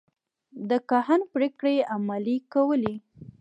د کاهن پرېکړې عملي کولې.